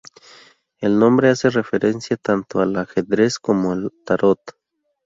El nombre hace referencia tanto al ajedrez como al tarot.